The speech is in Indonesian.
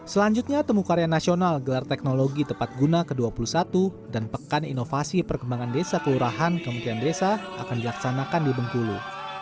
selanjutnya temu karya nasional gelar teknologi tepat guna ke dua puluh satu dan pekan inovasi perkembangan desa kelurahan kementerian desa akan dilaksanakan di bengkulu